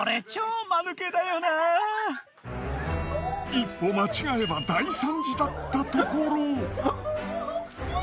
一歩間違えば大惨事だったところ。